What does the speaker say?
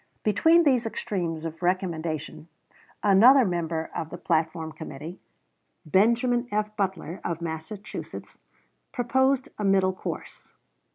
Between these extremes of recommendation another member of the platform committee Benjamin F. Butler, of Massachusetts proposed a middle course.